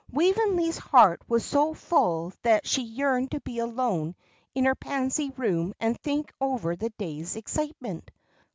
Waveney's heart was so full that she yearned to be alone in her Pansy Room and think over the day's excitement.